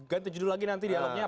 ganti judul lagi nanti dialognya